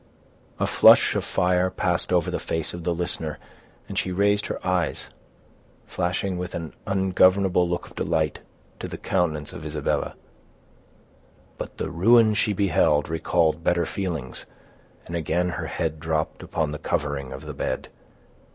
A flush of fire passed over the face of the listener, and she raised her eyes, flashing with an ungovernable look of delight, to the countenance of Isabella; but the ruin she beheld recalled better feelings, and again her head dropped upon the covering of the bed.